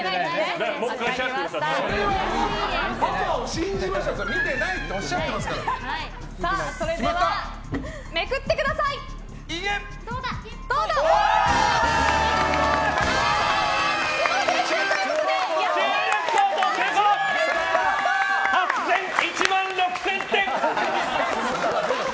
ツモということで１万６０００点！